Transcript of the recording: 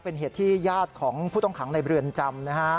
เป็นเหตุที่ญาติของผู้ต้องขังในเรือนจำนะฮะ